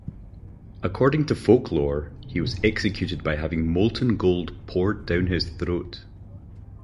According to folklore he was executed by having molten gold poured down his throat.